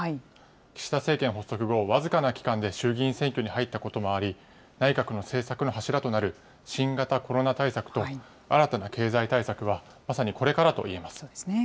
岸田政権発足後、僅かな期間で衆議院選挙に入ったこともあり、内閣の政策の柱となる新型コロナ対策と新たな経済対策は、まさにこれからと言えます。